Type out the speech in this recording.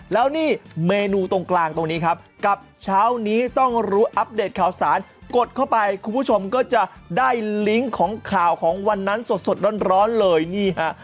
แล้วนี่เมนูตรงกลางตรงนี้ครับกับเช้านี้ต้องรู้อัปเดตข่าวสารกดเข้าไปคุณผู้ชมก็จะได้ลิงก์ของข่าวของวันนั้นสดร้อนเลยนี่ฮะ